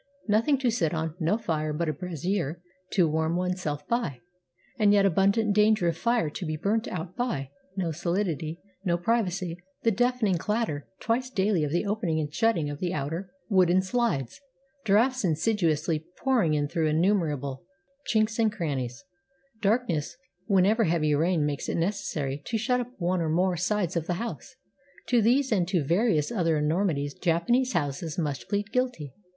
Nothing to sit on, no fire but a brazier to warm one's self by, and yet abundant danger of fire to be 415 JAPAN burnt out by, no solidity, no privacy, the deafening clat ter twice daily of the opening and shutting of the outer wooden slides, drafts insidiously pouring in through innumerable chinks and crannies, darkness whenever heavy rain makes it necessary to shut up one or more sides of the house — to these and to various other enor mities Japanese houses must plead guilty.